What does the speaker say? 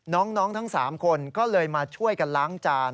ทั้ง๓คนก็เลยมาช่วยกันล้างจาน